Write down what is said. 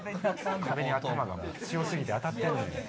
壁に頭が強過ぎて当たってんねん。